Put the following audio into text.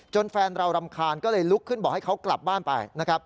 แฟนเรารำคาญก็เลยลุกขึ้นบอกให้เขากลับบ้านไปนะครับ